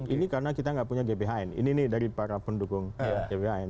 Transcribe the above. ini karena kita nggak punya gbhn ini nih dari para pendukung gbhn